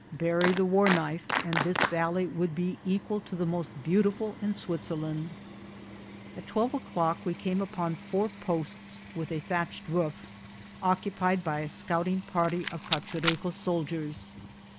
Bury the war knife, and this valley would be equal to the most beautiful in Switzerland. At twelve o'clock we came upon four posts with a thatched roof, occupied by a scouting party of Cachu reco soldiers.